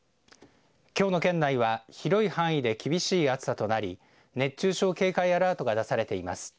きょうの県内は広い範囲で厳しい暑さとなり熱中症警戒アラートが出されています。